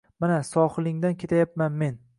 Mana, sohilingdan ketayapman men